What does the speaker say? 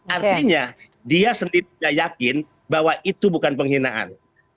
artinya dia sendiri yakin bahwa itu bukan penghinaan